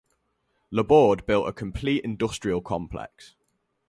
Laborde built a complete industrial complex.